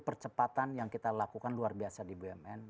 percepatan yang kita lakukan luar biasa di bumn